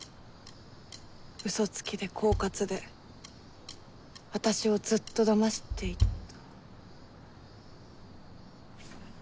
うそつきで狡猾で私をずっとだましていた。